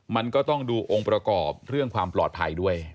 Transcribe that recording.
มันก็ต้องดูองค์ประกอบเรื่องความปลอดภัยด้วย